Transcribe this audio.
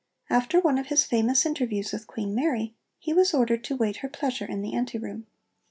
After one of his famous interviews with Queen Mary, he was ordered to wait her pleasure in the ante room.